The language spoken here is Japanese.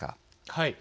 はい。